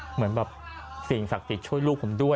เหมือนแบบสิ่งศักดิ์สิทธิ์ช่วยลูกผมด้วย